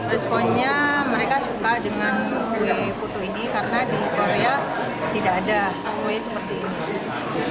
responnya mereka suka dengan kue putu ini karena di korea tidak ada kue seperti ini